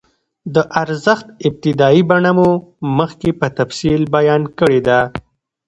د ارزښت ابتدايي بڼه مو مخکې په تفصیل بیان کړې ده